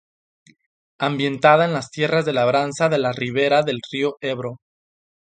Ambientada en las tierras de labranza de la ribera del Río Ebro.